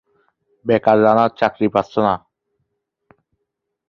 বেকার রানা চাকরি পাচ্ছে না।